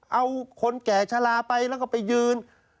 เอาคนแก่ชะลาไปแล้วก็ไปยืน